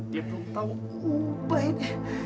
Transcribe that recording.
dia belum tahu ubah ini